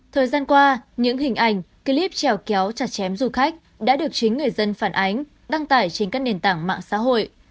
thời gian qua những hình ảnh clip trèo kéo chặt chém du khách đã được chính người dân phản ánh đăng tải trên các nền tảng mạng xã hội